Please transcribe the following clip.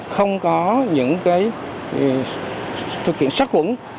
không có những cái thực hiện sắc khuẩn